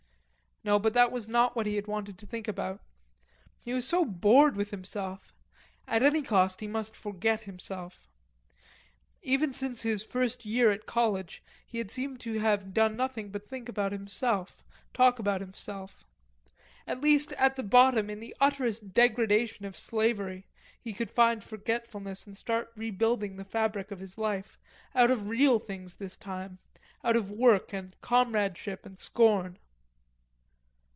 No, but that was not what he had wanted to think about. He was so bored with himself. At any cost he must forget himself. Ever since his first year at college he seemed to have done nothing but think about himself, talk about himself. At least at the bottom, in the utterest degradation of slavery, he could find forgetfulness and start rebuilding the fabric of his life, out of real things this time, out of work and comradeship and scorn.